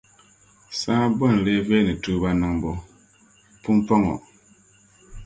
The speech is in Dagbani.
Saha bo n-lee veeni tuuba niŋbu? Pumpɔŋɔ.